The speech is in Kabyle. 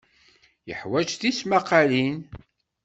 Yeḥwaj tismaqqalin.